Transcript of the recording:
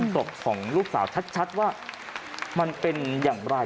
ศพของลูกสาวชัดว่ามันเป็นอย่างไร